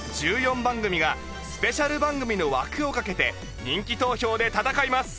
番組がスペシャル番組の枠をかけて人気投票で戦います！